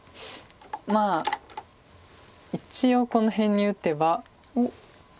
まあ一応この辺に打てば。